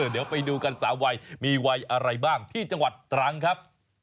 เดี๋ยวไปดูกัน๓วัยมีวัยอะไรบ้างที่จังหวัดตรังครับ